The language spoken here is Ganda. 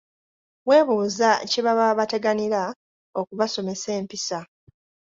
Weebuuza kye baba bateganira okubasomesa empisa.